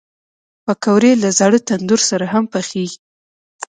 پکورې له زاړه تندور سره هم پخېږي